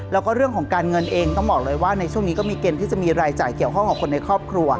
แล้วก็เรื่องของการเงินเองต้องบอกเลยว่าในช่วงนี้ก็มีเกณฑ์ที่จะมีรายจ่ายเกี่ยวข้องกับคนในครอบครัว